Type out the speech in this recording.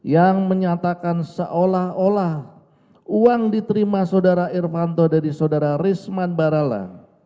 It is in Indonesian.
yang menyatakan seolah olah uang diterima saudara irvanto dari saudara risman barala